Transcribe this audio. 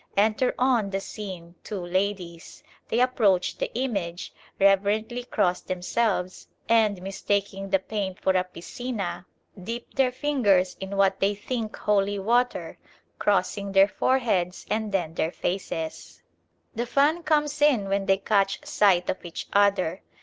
Enter on the scene two ladies. They approach the image, reverently cross themselves, and, mistaking the paint for a piscina, dip their fingers in what they think holy water, crossing their foreheads and then their faces. The fun comes in when they catch sight of each other.